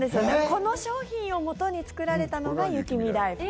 この商品をもとに作られたのが雪見だいふく。